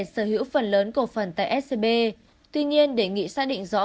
sở hữu phần lớn cổ phần tại scb tuy nhiên đề nghị xác định rõ